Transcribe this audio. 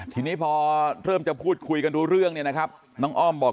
ทีนี้พอเริ่มจะพูดคุยกันรู้เรื่องเนี่ยนะครับน้องอ้อมบอก